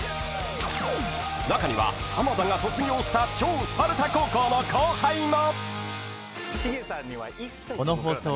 ［中には浜田が卒業した超スパルタ高校の後輩も］